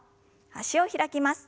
脚を開きます。